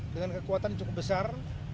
dengan kekuatan cukup besar